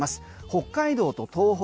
北海道と東北